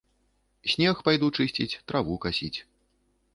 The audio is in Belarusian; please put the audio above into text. Снег пайду чысціць, траву касіць.